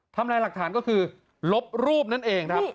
ทำลายหลักฐานก็คือลบรูปนั่นเองครับ